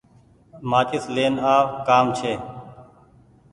مآچيس لين آو ڪآم ڇي۔